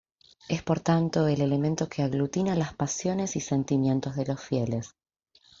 Es por tanto el elemento que aglutina las pasiones y sentimientos de los fieles.